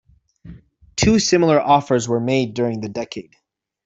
Two similar offers were made during the decade.